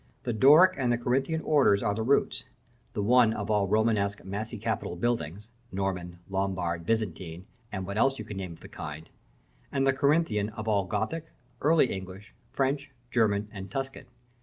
The Doric and the Corinthian orders are the roots, the one of all Romanesque, massy capitaled buildings Norman, Lombard, Byzantine, and what else you can name of the kind; and the Corinthian of all Gothic, Early English, French, German, and Tuscan.